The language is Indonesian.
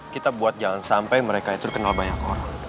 kita buat jangan sampai mereka itu dikenal banyak orang